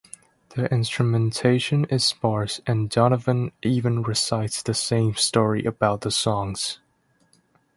The instrumentation is sparse, and Donovan even recites the same stories about the songs.